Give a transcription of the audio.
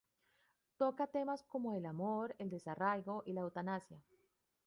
Toca temas como el amor, el desarraigo y la eutanasia.